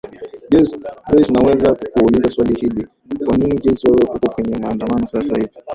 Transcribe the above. joyce naweza kukuuliza swali hili kwa nini jocye wewe uko kwenye maandamano sasa hivi